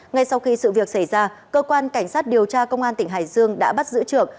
ngay sau khi sự việc xảy ra cơ quan cảnh sát điều tra công an tỉnh hải dương đã bắt giữ trưởng